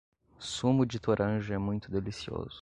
Sumo de toranja é muito delicioso